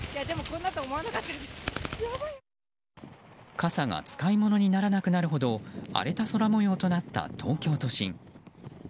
傘が使い物にならなくなるほど荒れた空模様となった東京都心。